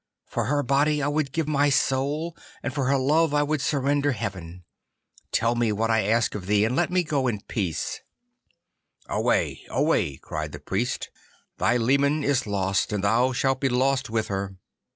For her body I would give my soul, and for her love I would surrender heaven. Tell me what I ask of thee, and let me go in peace.' 'Away! Away!' cried the Priest: 'thy leman is lost, and thou shalt be lost with her.